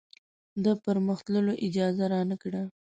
د پر مخ تللو اجازه رانه کړه.